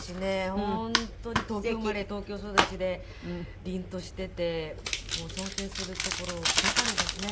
本当に東京生まれ東京育ちでりんとしていて尊敬するところばかりですね。